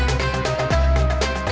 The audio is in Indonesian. kuncinya tak aya kang